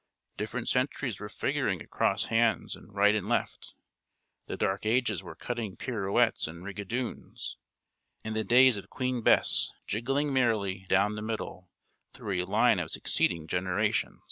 Different centuries were figuring at cross hands and right and left; the dark ages were cutting pirouettes and rigadoons; and the days of Queen Bess jigging merrily down the middle, through a line of succeeding generations.